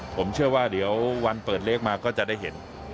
ผมเชื่อว่าเดี๋ยววันเปิดเลขมาก็จะได้เห็น